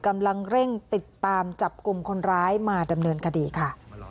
กำลังเร่งติดตามจับกลุ่มคนร้ายมาดำเนินคดีค่ะ